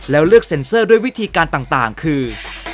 แล้วเลือกเซ็นเซอร์ด้วยวิธีการต่างคือ